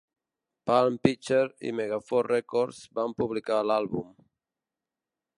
Palm Pictures i Megaforce Records van publicar l'àlbum.